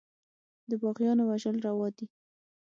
د باغيانو وژل روا دي.